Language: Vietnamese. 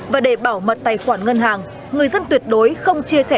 và để bảo mật tài khoản ngân hàng người dân tuyệt đối không chia sẻ